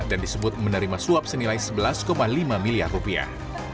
dan disebut menerima suap senilai sebelas lima miliar rupiah